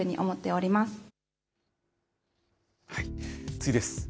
次です。